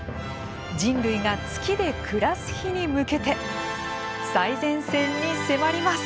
人類が月で暮らす日に向けて最前線に迫ります。